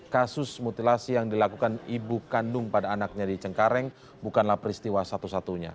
kasus mutilasi yang dilakukan ibu kandung pada anaknya di cengkareng bukanlah peristiwa satu satunya